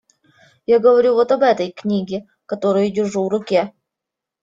Я говорю вот об этой книге, которую держу в руке.